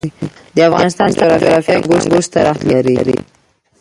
د افغانستان جغرافیه کې انګور ستر اهمیت لري.